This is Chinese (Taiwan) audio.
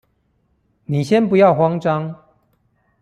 你先不要慌張